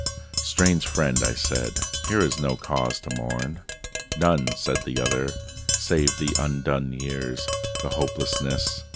"Strange friend," I said, "here is no cause to mourn." "None," said the other, "save the undone years, The hopelessness.